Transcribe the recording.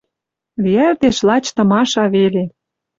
Лиӓлтеш лач тымаша веле...